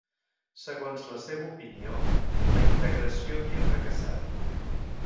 Segons la seva opinió, la integració havia fracassat.